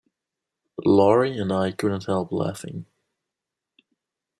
Laurie and I couldn't help laughing.